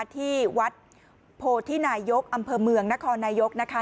ที่วัดโพธินายกอำเภอเมืองนครนายกนะคะ